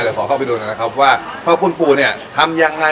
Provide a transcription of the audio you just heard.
เดี๋ยวขอเข้าไปดูหน่อยนะครับว่าพ่อคุณปู่เนี่ยทำยังไง